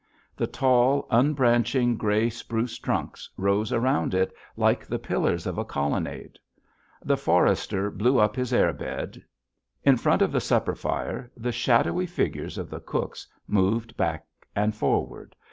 The tall, unbranching gray spruce trunks rose round it like the pillars of a colonnade. The forester blew up his air bed. In front of the supper fire, the shadowy figures of the cooks moved back and forward.